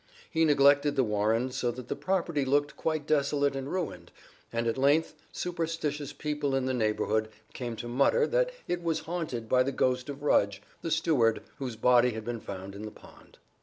He neglected The Warren so that the property looked quite desolate and ruined, and at length superstitious people in the neighborhood came to mutter that it was haunted by the ghost of Rudge, the steward, whose body had been found in the pond.